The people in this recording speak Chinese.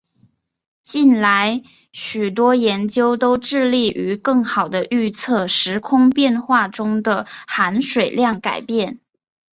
近来许多研究都致力于更好地预测时空变化中的含水量改变。